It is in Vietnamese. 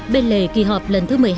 bên lề kỳ họp lần thứ một mươi hai